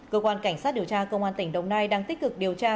cơ quan cảnh sát điều tra công an tỉnh đồng nai đang tích cực điều tra